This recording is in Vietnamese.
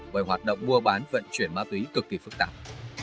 bởi hoạt động mua bán vận chuyển ma túy cực kỳ phức tạp